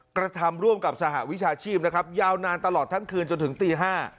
กระทำร่วมกับสหวิชาชีพนะครับยาวนานตลอดทั้งคืนจนถึงตี๕